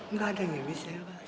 nggak ada ngemis ya pak